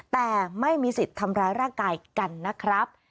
แต่ไม่มีสิทธิ์ทำร้ายร่างกายกันนะครับ